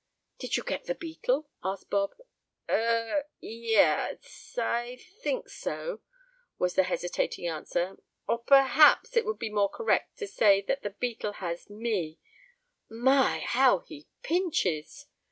"Did you get the beetle?" asked Bob. "Er yes, I I think so," was the hesitating answer. "Or perhaps it would be more correct to say that the beetle has me. My! how he pinches!"